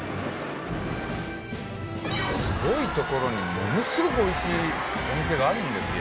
すごいところにものすごくおいしいお店があるんですよ。